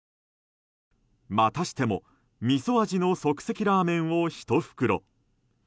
またしてもみそ味の即席ラーメンを１袋。